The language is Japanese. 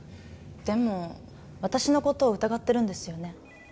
でも私の事を疑ってるんですよね？